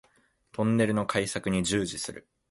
トンネルの開削に従事する